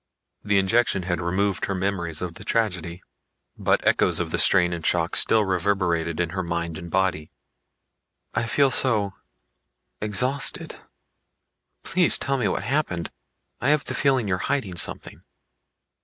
The injection had removed her memories of the tragedy, but echoes of the strain and shock still reverberated in her mind and body. "I feel so ... exhausted. Please tell me what happened. I have the feeling you're hiding something."